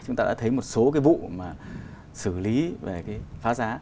chúng ta đã thấy một số cái vụ mà xử lý về cái phá giá